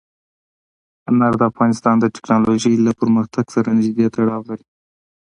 انار د افغانستان د تکنالوژۍ له پرمختګ سره نږدې تړاو لري.